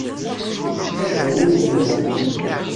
Ad d-awint lhemm.